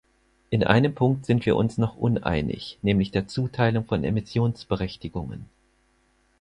In einem Punkt sind wir uns noch uneinig, nämlich der Zuteilung von Emissionsberechtigungen.